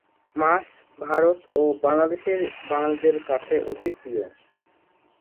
মাছ ভারত ও বাংলাদেশের বাঙালিদের কাছে অতি প্রিয়।